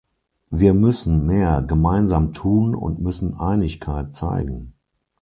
Wir müssen mehr gemeinsam tun und müssen Einigkeit zeigen.